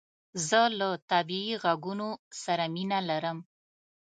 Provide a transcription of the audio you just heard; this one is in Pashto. زه له طبیعي عږونو سره مینه لرم